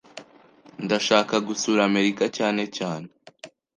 Ndashaka gusura Amerika cyane cyane.